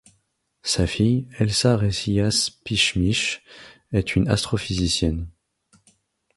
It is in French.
Sa fille Elsa Recillas Pishmish est une astrophysicienne.